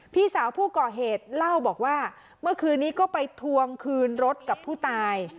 พี่สาวผู้ก่อเหตุเล่าบอกว่าเมื่อคืนนี้ก็ไปทวงคืนรถกับผู้ตาย